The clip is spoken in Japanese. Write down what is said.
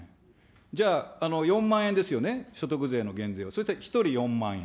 じゃあ、４万円ですよね、所得税の減税は、そしたら１人４万円。